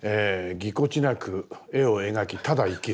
「ぎこちなく絵を描きただ生きる！！」。